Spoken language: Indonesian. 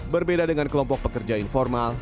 berbeda dengan kelompok pekerja informal